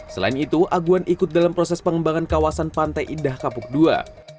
selain itu aguan ikut dalam proses pengembangan kawasan pantai indah kapuk ii